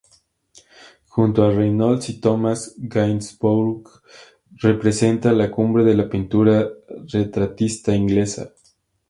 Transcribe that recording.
Junto a Reynolds y Thomas Gainsborough, representa la cumbre de la pintura retratista inglesa.